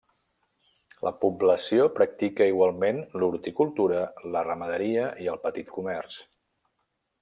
La població practica igualment l'horticultura, la ramaderia i el petit comerç.